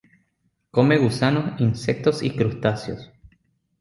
Come gusanos, insectos y crustáceos.